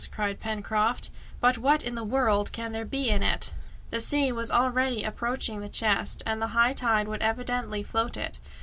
cried Pencroft "But what in the world can there be in it?" The sea was already approaching the chest, and the high tide would evidently float it.